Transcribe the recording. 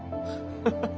ハハハハ。